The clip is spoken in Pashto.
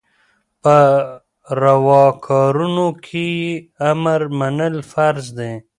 په رواکارونو کي يي امر منل فرض دي